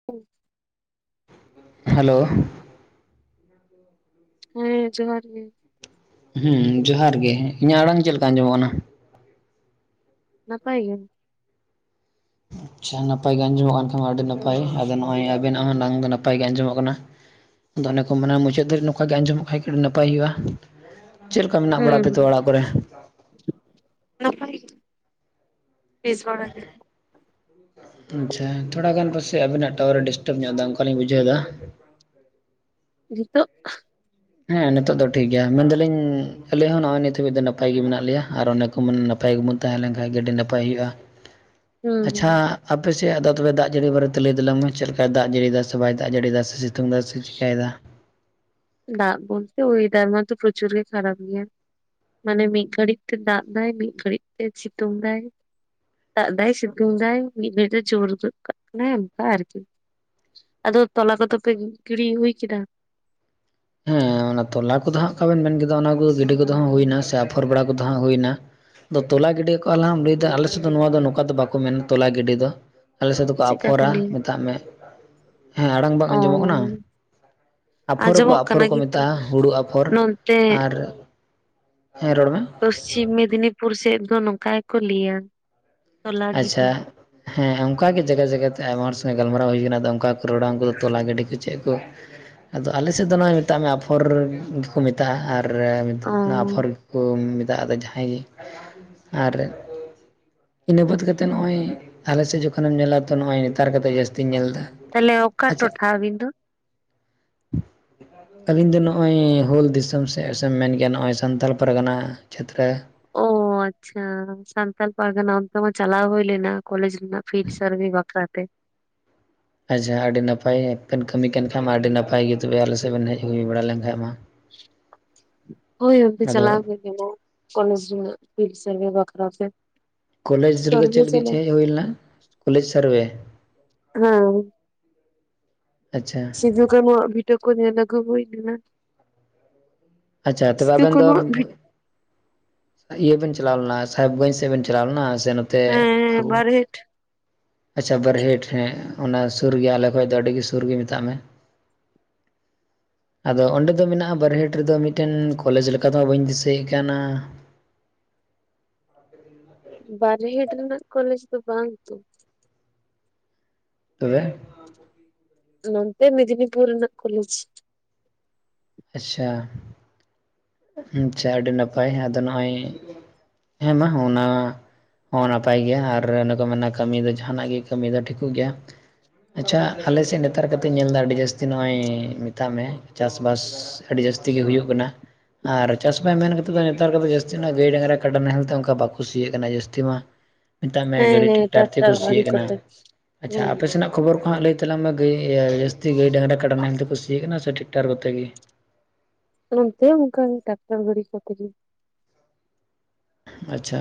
[inaudible] Hello ᱦᱮᱸ ᱡᱚᱦᱟᱨ ᱜᱮ ᱦᱮ ᱡᱚᱦᱟᱨ ᱜᱮ ᱤᱧᱟᱹᱜ ᱟᱲᱟᱝ ᱪᱮᱫ ᱞᱮᱠᱟ ᱟᱸᱡᱚᱢᱚᱜ ᱠᱟᱱᱟ ᱱᱟᱯᱟᱭ ᱜᱮ ᱟᱪᱪᱷᱟ ᱱᱟᱯᱟᱭ ᱜᱮ ᱟᱸᱡᱚᱢᱚᱜ ᱠᱟᱱ ᱠᱷᱟᱱ ᱢᱟ ᱟᱹᱰᱤ ᱱᱟᱯᱟᱭ ᱟᱫᱚ ᱱᱚᱜᱼᱚᱭ ᱟᱵᱮᱱᱟᱜ ᱦᱚ ᱱᱟᱝ ᱫᱚ ᱱᱟᱯᱟᱭ ᱜᱮ ᱟᱡᱚᱢᱚᱜ ᱠᱟᱱᱟ ᱫᱚ ᱚᱱᱮ ᱠᱚ ᱢᱮᱱᱟ ᱢᱩᱪᱟᱹᱫ ᱫᱷᱟᱹᱨᱤᱡ ᱱᱚᱝᱠᱟ ᱜᱮ ᱟᱸᱡᱚᱢᱚᱜ ᱠᱷᱟ ᱱᱟᱯᱟᱭ ᱦᱩᱭᱩᱜ ᱟ ᱪᱮᱫ ᱞᱮᱠᱟ ᱢᱮᱱᱟᱜ ᱵᱟᱲᱟ ᱦᱩᱸ ᱯᱮ ᱛᱚ ᱦᱩᱸ ᱚᱲᱟᱜ ᱠᱚᱨᱮ? ᱱᱟᱯᱟᱭ ᱜᱮ, ᱵᱮᱥ ᱵᱟᱲᱟ ᱜᱮ। ᱟᱪᱪᱷᱟ ᱛᱷᱚᱲᱟ ᱜᱟᱱ ᱯᱟᱥᱮ ᱟᱵᱤᱱᱟᱜ ᱴᱟᱣᱟᱨ ᱰᱤᱥᱴᱟᱵ ᱧᱚᱜ ᱮᱫᱟ ᱚᱱᱠᱟᱞᱤᱧ ᱵᱩᱡᱟᱹᱣ ᱮᱫᱟ। ᱱᱤᱛᱚᱜ? ᱦᱮᱸ ᱱᱤᱛᱚᱜ ᱫᱚ ᱴᱷᱤᱠ ᱜᱮᱭᱟ। ᱢᱮᱱᱫᱟᱞᱤᱧ ᱟᱞᱮ ᱦᱚᱸ ᱱᱚᱜᱼᱚᱭ ᱱᱤᱛ ᱦᱟᱹᱵᱤᱡ ᱫᱚ ᱱᱟᱯᱟᱭ ᱜᱮ ᱢᱮᱱᱟᱜ ᱞᱮᱭᱟ ᱟᱨ ᱚᱱᱮ ᱠᱚ ᱢᱮᱱ ᱱᱟᱯᱟᱭ ᱜᱮᱵᱚᱱ ᱛᱟᱦᱮᱸ ᱞᱮᱱ ᱠᱷᱟᱱ ᱜᱮ ᱟᱹᱰᱤ ᱱᱟᱯᱟᱭ ᱦᱩᱭᱩᱜᱼᱟ। [inaudible] ᱟᱪᱪᱷᱟ ᱦᱩᱸ ᱟᱯᱮ ᱥᱮᱫ ᱟᱫᱚ ᱛᱚᱵᱮ ᱫᱟᱜ ᱡᱟᱹᱲᱤ ᱵᱟᱨᱮᱛᱮ ᱞᱟᱹᱭ ᱛᱟᱞᱟᱝ ᱢᱮ, ᱪᱮᱫ ᱞᱮᱠᱟᱭ ᱫᱟᱜ ᱡᱟᱹᱲᱤᱭᱫᱟ ᱥᱮ ᱵᱟᱭ ᱫᱟᱜ ᱡᱟᱹᱲᱤᱭ ᱫᱟ ᱥᱮ ᱥᱤᱛᱩᱝ ᱫᱟᱭ ᱥᱮ ᱪᱮᱠᱟᱭ ᱫᱟ? ᱫᱟᱜ ᱵᱚᱞᱛᱮ ᱚᱭᱮᱫᱟᱨ ᱢᱟᱛᱚ ᱯᱨᱚᱪᱩᱨ ᱜᱮ ᱠᱷᱟᱨᱯ ᱜᱮᱭᱟ᱾ ᱢᱟᱱᱮ ᱢᱤᱫ ᱜᱷᱟᱹᱲᱤᱡ ᱛᱮ ᱫᱟᱜ ᱮᱟᱭ, ᱢᱤᱫ ᱜᱷᱟᱹᱲᱤᱡ ᱛᱮ ᱥᱤᱛᱩᱝ ᱫᱟᱭ। ᱫᱟᱜ ᱫᱟᱭ, ᱥᱤᱛᱩᱝ ᱫᱟᱭ ᱢᱤᱫ ᱜᱷᱟᱹᱲᱤ ᱛᱮ ᱡᱳᱨ ᱜᱚᱫ ᱠᱟᱜ ᱠᱟᱱᱟᱭ ᱚᱱᱠᱟ ᱟᱨᱠᱤ। ᱟᱫᱚ ᱛᱚᱞᱟ ᱠᱚᱫᱚ ᱯᱮ ᱜᱤᱲᱤ ᱦᱩᱭ ᱠᱮᱫᱟ? ᱦᱮᱸ ᱚᱱᱟ ᱛᱚᱞᱟ ᱠᱚᱫᱚ ᱦᱟᱸᱜ ᱚᱠᱟ ᱵᱮᱱ ᱢᱮᱱ ᱠᱮᱫᱟ ᱚᱱᱟ ᱠᱚ ᱜᱤᱰᱤ ᱠᱚᱫᱚ ᱦᱩᱭᱱᱟ ᱥᱮ ᱟᱯᱷᱚᱨ ᱵᱟᱲᱟ ᱠᱚᱫᱚ ᱦᱩᱭᱱᱟ᱾ ᱟᱫᱚ ᱛᱚᱞᱟ ᱜᱤᱰᱤ ᱠᱚ-ᱟ ᱞᱟᱦᱟᱢ ᱞᱟᱹᱭᱫᱟ, ᱟᱞᱮᱥᱮᱫ ᱫᱚ ᱱᱚᱣᱟ ᱫᱚ ᱱᱚᱝᱠᱟ ᱫᱚ ᱵᱟᱠᱚ ᱢᱮᱱᱟ ᱛᱚᱞᱟ ᱜᱤᱰᱤ ᱫᱚ। ᱟᱞᱮ ᱥᱮᱫ ᱫᱚᱠᱚ ᱪᱮᱫᱠᱟ ᱠᱚ ᱟᱯᱷᱚᱨᱟ ᱞᱟᱹᱭᱟ? ᱢᱮᱛᱟᱜ ᱢᱮ᱾ ᱦᱮᱸ ᱟᱲᱟᱝ ᱵᱟᱝ ᱚ ᱟᱸᱡᱚᱢᱚᱜ ᱠᱟᱱᱟ? ᱟᱯᱷᱚᱨ ᱟᱠᱚ ᱟᱸᱡᱚᱢᱚᱜ ᱟᱯᱷᱚᱨ ᱠᱟᱱᱟ ᱠᱚ ᱠᱤᱱᱛᱩ ᱢᱮᱛᱟᱜᱼᱟ ᱦᱩᱲᱩ ᱟᱯᱷᱚᱨ ᱱᱚᱱᱛᱮ ᱟᱨ ᱦᱮᱸ ᱨᱚᱲ ᱢᱮ। ᱯᱚᱥᱪᱤᱢ ᱢᱮᱫᱽᱱᱤᱯᱩᱨ ᱥᱮᱫ ᱫᱚ ᱱᱚᱝᱠᱟ ᱜᱮᱠᱚ ᱞᱟᱹᱭᱟ। ᱛᱚᱞᱟ ᱟᱪᱪᱷᱟ ᱜᱤᱰᱤ᱾ ᱦᱮᱸ ᱚᱱᱠᱟᱜᱮ ᱡᱟᱭᱜᱟ ᱡᱟᱭᱜᱟ ᱛᱮ ᱟᱭᱢᱟ ᱦᱚᱲ ᱥᱚᱸᱜᱮ ᱜᱟᱞᱢᱟᱨᱟᱣ ᱦᱩᱭ ᱟᱠᱟᱱᱟ ᱚᱱᱠᱟ ᱠᱚ ᱨᱚᱲᱟ᱾ ᱩᱱᱠᱩ ᱫᱚ ᱛᱚᱞᱟ ᱜᱟᱹᱰᱤ ᱠᱚ ᱪᱮᱫ ᱠᱚ᱾ ᱟᱫᱚ ᱟᱞᱮᱥᱮᱫ ᱫᱚ ᱱᱚᱜ-ᱚᱭ ᱢᱮᱛᱟᱜ ᱢᱮ ᱟᱯᱷᱚᱨ᱾ ᱠᱚ ᱢᱮᱛᱟᱜ-ᱟ ᱟᱨ ᱚ ᱚᱱᱟ ᱟᱯᱷᱚᱨ ᱜᱮᱠᱚ ᱢᱮᱛᱟᱜ-ᱟ ᱟᱫᱚ ᱡᱟᱦᱟᱸᱭ ᱜᱮ ᱟᱨ ᱤᱱᱟᱹ ᱵᱟᱫ ᱠᱟᱛᱮ ᱱᱚᱜ-ᱚᱭ ᱟᱞᱮᱥᱮᱫ ᱡᱚᱠᱷᱚᱱᱮᱢ ᱧᱮᱞᱟ ᱛᱚ ᱱᱚᱜ-ᱚᱭ ᱱᱮᱛᱟᱨ ᱠᱟᱛᱮ ᱡᱟᱹᱥᱛᱤᱧ ᱧᱮᱞ ᱮᱫᱟ᱾ ᱛᱟᱦᱚᱞᱮ ᱚᱠᱟ ᱟᱪᱪᱷᱟ ᱴᱚ-ᱴᱷᱟ ᱟᱵᱤᱱ ᱫᱚ? ᱟᱹᱞᱤᱧ ᱫᱚ ᱱᱚᱜ-ᱚᱭ ᱦᱩᱞ ᱫᱤᱥᱚᱢ ᱥᱮᱫ ᱫᱮᱢ ᱢᱮᱱ ᱠᱮᱭᱟ ᱱᱚᱜ-ᱚᱭ ᱥᱟᱱᱛᱟᱞ ᱯᱟᱨᱜᱟᱱᱟ ᱪᱷᱟᱛᱨᱟ। ᱚ ᱟᱪᱪᱷᱟ ᱥᱟᱱᱛᱟᱞ ᱯᱟᱨᱜᱟᱱᱟ ᱚᱱᱛᱮᱢᱟ ᱪᱟᱞᱟᱣ ᱦᱩᱭ ᱞᱮᱱᱟ ᱠᱚᱞᱮᱡᱽ ᱨᱮᱱᱟᱜ ᱯᱷᱤᱰ ᱥᱟᱨᱵᱷᱮ ᱵᱟᱠᱷᱨᱟᱛᱮ। ᱟᱡᱷᱟ ᱟᱹᱰᱤ ᱱᱟᱯᱟᱭ ᱵᱮᱱ ᱠᱟᱹᱢᱤ ᱠᱟᱱ ᱠᱷᱟᱡ ᱢᱟ ᱟᱹᱰᱤ ᱱᱟᱯᱟᱭ ᱜᱮ ᱛᱚᱵᱮ ᱟᱞᱮ ᱥᱮᱫ ᱵᱮᱱ ᱦᱮᱡ ᱦᱩᱭ ᱵᱟᱲᱟ ᱞᱮᱛᱟᱦᱮᱡ ᱢᱟ। [inaudible] ᱦᱳᱭ ᱚᱱᱛᱮ ᱟᱫᱚ ᱪᱟᱞᱟᱣ ᱦᱩᱭ ᱞᱮᱱᱟ ᱠᱚᱞᱮᱡ ᱨᱮᱱᱟᱜ ᱯᱷᱤᱰ ᱥᱟᱨᱵᱷᱮ ᱵᱟᱠᱷᱨᱟ ᱛᱮ। ᱠᱚᱞᱮᱡᱽ ᱨᱮᱫᱚ ᱥᱟᱨᱵᱷᱮ ᱪᱮᱫ ᱞᱟᱹᱜᱤᱫ ᱪᱟᱞᱟᱣ ᱪᱮᱡ ᱦᱩᱭ ᱞᱮᱱᱟ ᱠᱚᱞᱮᱡᱽ ᱥᱟᱨᱵᱷᱮ? ᱦᱮᱸ ᱟᱪᱪᱷᱟ ᱥᱤᱫᱷᱩ-ᱠᱟᱱᱦᱩᱣᱟ ᱵᱷᱤᱴᱟᱹ ᱠᱚ ᱧᱮᱞ ᱟᱹᱜᱩ ᱦᱩᱭ ᱠᱟᱱᱟ। ᱟᱪᱪᱷᱟ ᱛᱚᱵᱮ ᱟᱵᱮᱱ ᱫᱚᱢ ᱤᱭᱟᱹ ᱵᱮᱱ ᱪᱟᱞᱟᱣ ᱞᱮᱱᱟ ᱥᱟᱦᱮᱵᱽᱜᱚᱸᱧᱡᱽ ᱥᱮᱫ ᱵᱮᱱ ᱪᱟᱞᱟᱣ ᱞᱮᱱᱟ ᱥᱮ ᱱᱚᱛᱮ ᱦᱮᱸ ᱯᱷᱟᱹᱜᱩ? ᱵᱟᱨᱦᱮᱴ ᱟᱪᱪᱷᱟ ᱵᱟᱨᱦᱮᱴ᱾ ᱦᱮᱸ ᱚᱱᱟ ᱥᱩᱨ ᱜᱮᱭᱟ ᱟᱞᱮ ᱠᱷᱚᱱ ᱫᱚ ᱟᱹᱰᱤᱜ ᱥᱩᱨ ᱜᱮ ᱢᱮᱛᱟᱜ ᱢᱮ। [inaudible] ᱟᱫᱚ ᱚᱸᱰᱮ ᱫᱚ ᱢᱮᱱᱟᱜᱼᱟ ᱵᱟᱨᱦᱮᱴ ᱨᱮᱫᱚ ᱢᱤᱫ ᱴᱮᱱ ᱠᱚᱞᱮᱡᱽ ᱞᱮᱠᱟ ᱫᱚ ᱦᱟᱸᱜ ᱵᱟᱹᱧ ᱫᱤᱥᱟᱹᱭᱮᱫ ᱠᱟᱱᱟ। ᱵᱟᱨᱦᱤᱴ ᱨᱮᱱᱟᱜ ᱠᱚᱞᱮᱡᱽ ᱫᱚ ᱵᱟᱝ ᱛᱚ᱾ ᱛᱚᱵᱮ? ᱱᱚᱱᱛᱮ ᱢᱽᱤᱫᱱᱤᱯᱩᱨ ᱨᱮᱱᱟᱭ ᱠᱚᱞᱮᱡ। ᱟᱪᱪᱷᱟ᱾ ᱟᱪᱪᱷᱟ ᱟᱹᱰᱤ ᱱᱟᱯᱟᱭ ᱟᱫᱚ ᱱᱚᱜ-ᱚᱭ ᱦᱮᱸ ᱢᱟ ᱚᱱᱟ ᱦᱚᱸ ᱱᱟᱯᱟᱭ ᱜᱮᱭᱟ ᱟᱨ ᱱᱚᱠᱟ ᱢᱮ ᱱᱟ ᱠᱟᱹᱢᱤ ᱫᱚ ᱡᱟᱦᱟᱱᱟᱜ ᱜᱮ ᱠᱟᱹᱢᱤ ᱫᱚ ᱴᱷᱤᱠᱚᱜ ᱜᱮᱭᱟ। ᱟᱪᱪᱷᱟ ᱟᱞᱮᱥᱮᱫ ᱱᱮᱛᱟᱨ ᱠᱟᱛᱮᱧ ᱧᱮᱞ ᱮᱫᱟ ᱟᱹᱰᱤ ᱡᱟᱹᱥᱛᱤ ᱱᱚᱜ-ᱚᱭ ᱢᱮᱛᱟᱜ ᱢᱮ ᱪᱟᱥ ᱵᱟᱥ ᱟᱹᱰᱤ ᱡᱟᱹᱥᱛᱤ ᱜᱮ ᱦᱩᱭᱩᱜ ᱠᱟᱱᱟ। ᱟᱨ ᱪᱟᱥ ᱵᱟᱭ ᱢᱮᱱ ᱠᱟᱛᱮᱫ ᱫᱚ ᱱᱮᱛᱟᱨ ᱠᱚᱫᱚ ᱡᱟᱹᱥᱛᱤ ᱱᱥᱜ ᱜᱟᱹᱭ, ᱰᱟᱝᱨᱟ, ᱠᱟᱰᱟ ᱱᱟᱦᱮᱞ ᱛᱮ ᱚᱱᱠᱟ ᱵᱟᱠᱚ ᱥᱤᱭᱟᱜ ᱠᱟᱱᱟ ᱡᱟᱹᱥᱛᱤ ᱢᱟ᱾ [inaudible] ᱢᱮᱛᱟᱜ ᱢᱮ ᱦᱮᱸ ᱜᱟᱹᱰᱤ ᱦᱮᱸ ᱴᱮᱠᱴᱟᱨ ᱛᱮᱠᱚ ᱴᱟᱠᱴᱟᱨ ᱜᱟᱹᱰᱤ ᱥᱤᱭᱟᱜ ᱠᱟᱱᱟ᱾ ᱠᱚᱛᱮ ᱟᱪᱪᱷᱟ ᱦᱮᱸ ᱟᱯᱮ ᱥᱮᱱᱟᱜ ᱠᱷᱚᱵᱚᱨ ᱠᱚ ᱦᱟᱸᱜ ᱞᱟᱹᱭ ᱛᱟᱞᱟᱝ ᱢᱮᱟᱹᱭ ᱤᱭᱟᱹ ᱡᱟᱹᱥᱛᱤ ᱜᱟᱹᱭ ᱰᱟᱝᱨᱟ ᱠᱟᱰᱟ ᱱᱟᱦᱮᱞ ᱛᱮᱠᱩ ᱥᱤᱭᱟᱜ ᱠᱟᱱᱟ ᱥᱮ ᱴᱮᱠᱴᱟᱨ ᱠᱚᱛᱮ ᱜᱮ? ᱱᱚᱱᱛᱮ ᱚᱱᱠᱟ ᱜᱮ ᱴᱟᱠᱴᱟᱨ ᱜᱟᱹᱲᱤ ᱠᱚᱛᱮ ᱜᱮ᱾ ᱟᱪᱪᱷᱟ᱾